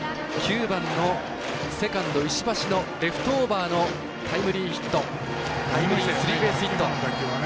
９番のセカンド石橋のレフトオーバーのタイムリースリーベースヒット。